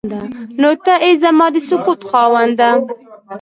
نو ته ای زما د سکوت خاونده.